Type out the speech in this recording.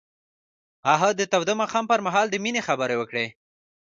هغه د تاوده ماښام پر مهال د مینې خبرې وکړې.